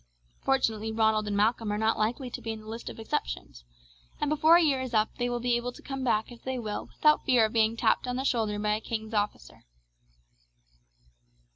Fortunately Ronald and Malcolm are not likely to be in the list of exceptions, and before a year is up they will be able to come back if they will without fear of being tapped on the shoulder by a king's officer."